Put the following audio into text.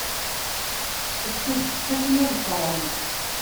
Ass- a d kečč ad ten-iḍfren.